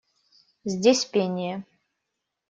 Здесь пение.